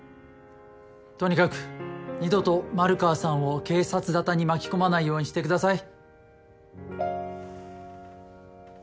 とにかく二度と丸川さんを警察沙汰に巻き込まないようにしてください。